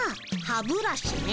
歯ブラシね。